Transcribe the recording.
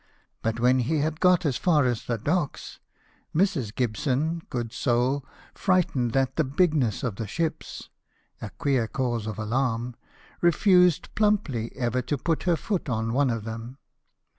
But when he had got as far as the docks, Mrs. Gibson, good soul, frightened at the bigness of the ships (a queer cause of alarm), refused plumply ever to put her foot on one of them.